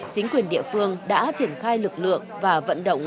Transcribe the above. chính quyền địa phương đã triển khai lực lượng